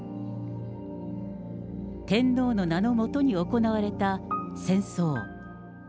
天皇の名の下に行われた戦争。